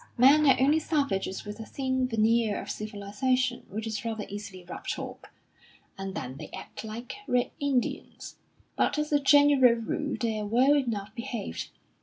Men are only savages with a thin veneer of civilisation, which is rather easily rubbed off, and then they act just like Red Indians; but as a general rule they're well enough behaved.